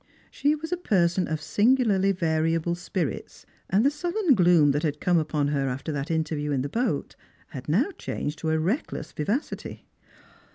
She was a person of singularly variable spirits, and the sullen gloom that had come upon her after that interview in the boat had now changed to a reckless vivacity.